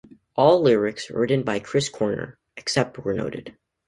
All lyrics written by Chris Corner, except where noted.